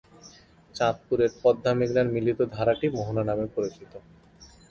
চাঁদপুরের কাছে পদ্মা-মেঘনার মিলিত ধারাটি মোহনা নামে পরিচিত।